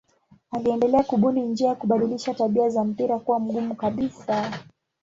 Aliendelea kubuni njia ya kubadilisha tabia za mpira kuwa mgumu kabisa.